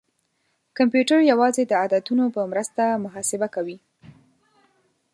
کمپیوټر یوازې د عددونو په مرسته محاسبه کوي.